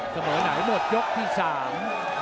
เสมอไหนหมดยกที่สาม